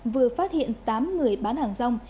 vừa phát hiện tám người bán hàng rong